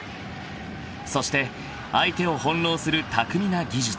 ［そして相手を翻弄する巧みな技術］